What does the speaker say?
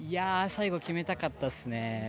最後、決めたかったですね。